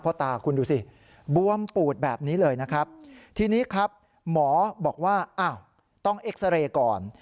ตาคุณดูสิบวมปูดแบบนี้เลยนะครับทีนี้ครับหมอบอกว่าอ้าวต้องเอ็กซาเรย์ก่อน